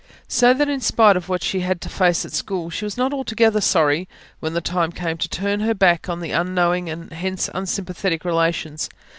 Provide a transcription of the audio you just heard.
So that in spite of what she had to face at school, she was not altogether sorry, when the time came, to turn her back on her unknowing and hence unsympathetic relations.